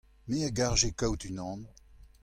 Me a garje kaout unan.